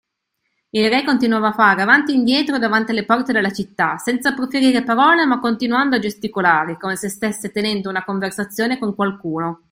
Il Re continuava a fare avanti e indietro davanti le porte della città, senza proferire parola ma continuando a gesticolare, come se stesse tenendo una conversazione con qualcuno.